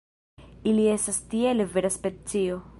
Ili estas tiele vera specio.